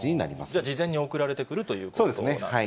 じゃあ、事前に送られてくるそうですね。